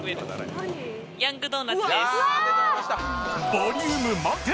ボリューム満点！